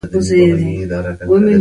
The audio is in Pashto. انټرنېټ فعاله کړه !